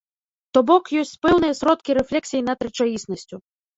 То бок ёсць пэўныя сродкі рэфлексіі над рэчаіснасцю.